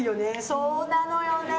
そうなのよね。